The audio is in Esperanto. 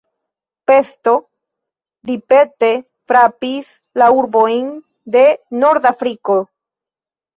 Pesto ripete frapis la urbojn de Nordafriko.